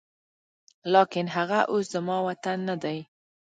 لاکن هغه اوس زما وطن نه دی